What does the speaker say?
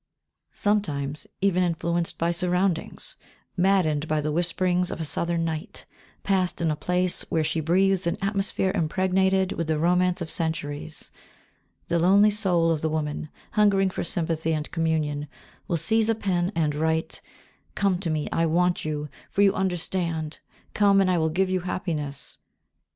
Sometimes, even, influenced by surroundings, maddened by the whisperings of a southern night, passed in a place where she breathes an atmosphere impregnated with the romance of centuries, the lonely soul of the woman, hungering for sympathy and communion, will seize a pen and write, "Come to me; I want you, for you understand; come, and I will give you happiness."